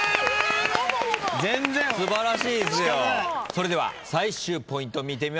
それでは最終ポイント見てみましょう。